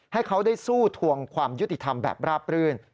ให้เขาได้สู้ทวงความยุติธรรมแบบราบรื่น